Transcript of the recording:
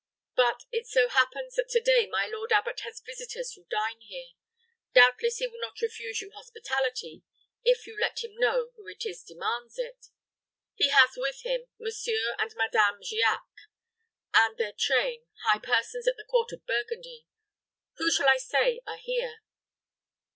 But it so happens that to day my lord abbot has visitors who dine here. Doubtless he will not refuse you hospitality, if you let him know who it is demands it. He has with him Monsieur and Madame Giac, and their train, high persons at the court of Burgundy. Who shall I say are here?"